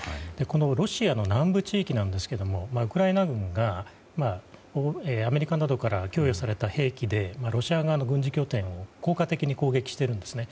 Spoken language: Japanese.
ロシアの南部地域なんですがウクライナ軍がアメリカなどから供与された兵器でロシア側の軍事拠点を効果的に攻撃しているんですね。